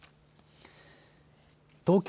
東京